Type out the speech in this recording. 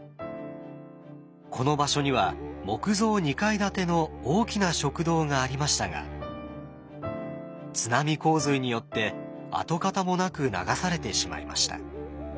この場所には木造２階建ての大きな食堂がありましたが津波洪水によって跡形もなく流されてしまいました。